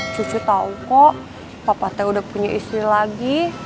cucu tahu kok papa teh udah punya istri lagi